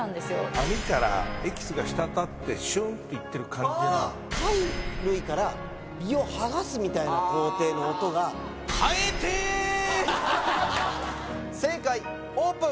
網からエキスがしたたってシュンっていってる感じが貝類から身を剥がすみたいな工程の音が正解オープン！